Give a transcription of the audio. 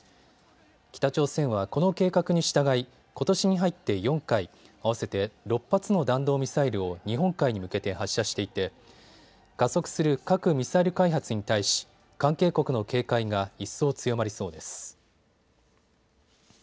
北朝鮮はこの計画に従いことしに入って４回、合わせて６発の弾道ミサイルを日本海に向けて発射していて加速する核・ミサイル開発に対し関係国の警戒が一層強まりそうです。